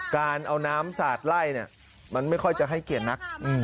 การเอาน้ำสาดไล่เนี่ยมันไม่ค่อยจะให้เกียรตินัก